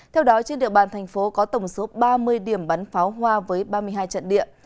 theo đó trên địa bàn thành phố có tổng số ba mươi điểm bắn pháo hoa với ba mươi hai trận địa